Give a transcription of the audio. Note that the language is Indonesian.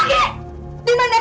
dimana dia kak kembali ayo pukul